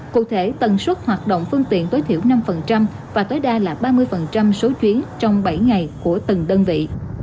cụ thể tần suất hoạt động phương tiện tối thiểu năm và tối đa là ba mươi số chuyến trong bảy ngày của từng đơn vị